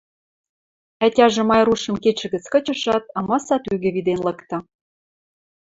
Ӓтяжӹ Майрушым кидшӹ гӹц кычышат, амаса тӱгӹ виден лыкты.